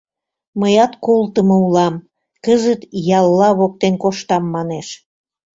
Мыят колтымо улам, кызыт ялла воктен коштам, манеш.